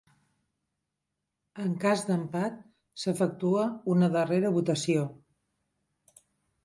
En cas d'empat s'efectua una darrera votació.